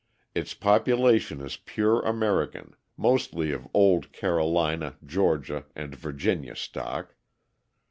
Its population is pure American, mostly of old Carolina, Georgia, and Virginia stock.